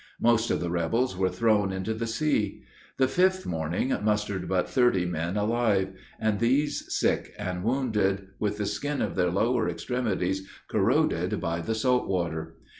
Most of the rebels were thrown into the sea. The fifth morning mustered but thirty men alive; and these sick and wounded, with the skin of their lower extremities corroded by the salt water.